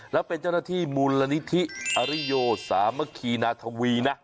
แล้วเป็นเจ้าหน้าที่มูลนิธิอริโยสามัคคีนาธวีนะ